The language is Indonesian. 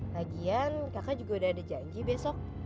lagian kakak juga udah ada janji besok